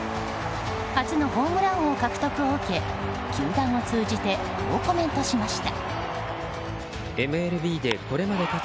初のホームラン王獲得を受け球団を通じてこうコメントしました。